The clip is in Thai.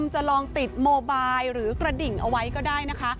ส่วนวิธีที่สองค่ะคุณผู้ชมจะลองติดโมไบล์หรือกระดิ่งเอาไว้ก็ได้นะคะ